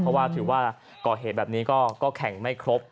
เพราะว่าถือว่าก่อเหตุแบบนี้ก็แข่งไม่ครบ